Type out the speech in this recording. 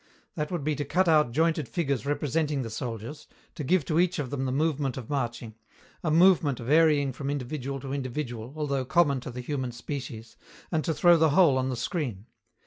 That would be to cut out jointed figures representing the soldiers, to give to each of them the movement of marching, a movement varying from individual to individual although common to the human species, and to throw the whole on the screen.